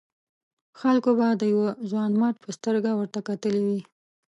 خلکو به د یوه ځوانمرد په سترګه ورته کتلي وي.